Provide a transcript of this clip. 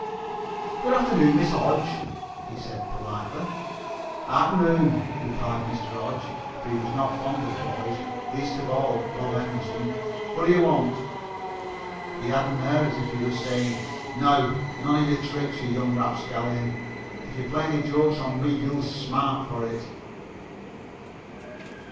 "Good afternoon, Mr. Hodge," he said politely. "Arternoon," replied Mr. Hodge, for he was not fond of boys, least of all Bob Henderson. "What d' you want?" He had an air as if he was saying: "Now none of your tricks, you young rapscallion! If you play any jokes on me you'll smart for it!"